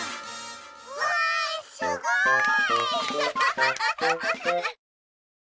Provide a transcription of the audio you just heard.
うわすごい！